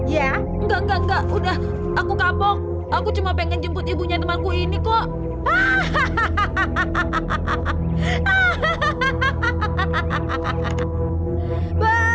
ya enggak enggak enggak udah aku kapok aku cuma pengen jemput ibunya temanku ini kok hahaha